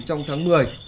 trong tháng một mươi